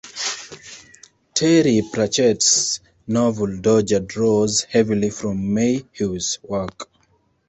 Terry Pratchett's novel Dodger draws heavily from Mayhew's work.